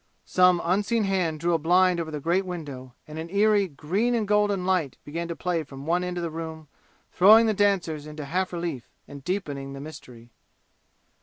Some unseen hand drew a blind over the great window and an eerie green and golden light began to play from one end of the room, throwing the dancers into half relief and deepening the mystery.